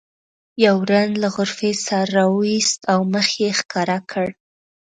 یو رند له غرفې سر راوویست او مخ یې ښکاره کړ.